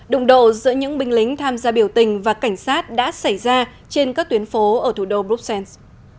đụng độ giữa những binh lính tham gia biểu tình và cảnh sát đã xảy ra trên các tuyến phố ở thủ đô bruxelles